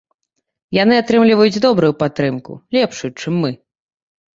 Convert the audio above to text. Яны атрымліваюць добрую падтрымку, лепшую, чым мы.